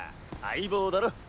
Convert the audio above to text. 相棒だろ？